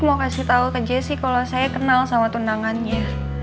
mau kasih tau ke jay sih kalau saya kenal sama tunangannya